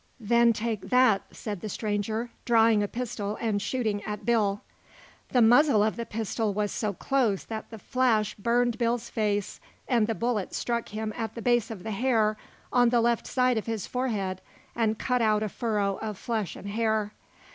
"Then take that," said the stranger, drawing a pistol and shooting at Bill. The muzzle of the pistol was so close that the flash burned Bill's face and the bullet struck him at the base of the hair on the left side of his forehead and cut out a furrow of flesh and hair.